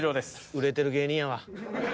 ［売れてる芸人やわ］